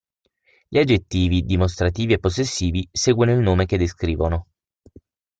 Gli aggettivi, dimostrativi e possessivi, seguono il nome che descrivono.